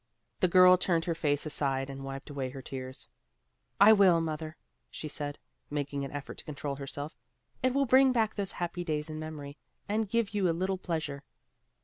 The girl turned her face aside and wiped away her tears. "I will, mother," she said, making an effort to control herself, "it will bring back those happy days in memory, and give you a little pleasure."